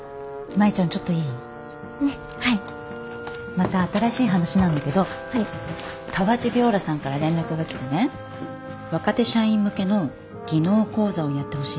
また新しい話なんだけどカワチ鋲螺さんから連絡が来てね若手社員向けの技能講座をやってほしいって。